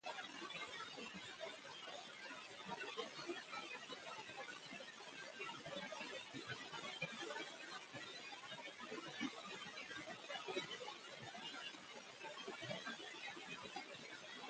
يعيش طول عمره في النَكَدِ بين خصام زوجة وولد